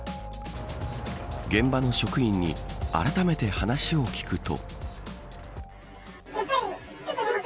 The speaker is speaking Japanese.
現場の職員にあらためて話を聞くと。